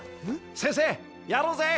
先生やろうぜ！